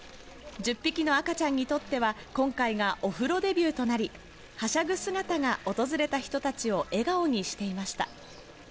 １０匹の赤ちゃんにとっては、今回がお風呂デビューとなり、はしゃぐ姿が訪れた人たちを笑顔にしていました。